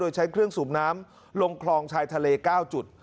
ใช้เครื่องสูบน้ำลงคลองชายทะเล๙จุด